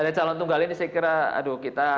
dari calon tunggal ini saya kira aduh kita harus